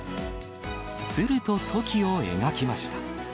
鶴とトキを描きました。